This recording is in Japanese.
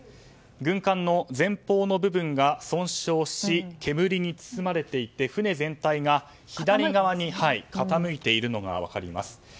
軍艦の前方の部分が損傷し煙に包まれていて、船全体が左側に傾いているのが分かります。